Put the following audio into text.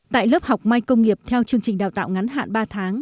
tại lớp học mai công nghiệp theo chương trình đào tạo ngắn hạn ba tháng